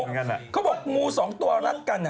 ไม่รู้เขาบอกงู๒ตัวรัดกันอะ